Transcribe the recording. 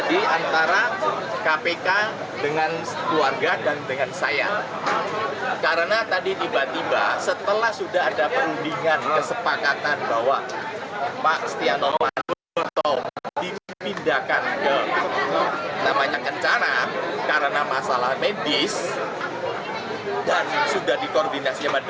disiniuu ittaulah cuma yang dia lihat text sini bisa lihat nah disini nih